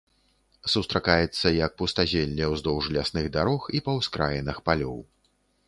Сустракаецца як пустазелле ўздоўж лясных дарог і па ўскраінах палёў.